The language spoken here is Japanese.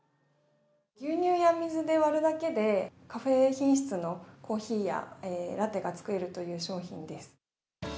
牛乳や水で割るだけで、カフェ品質のコーヒーやラテが作れるという商品です。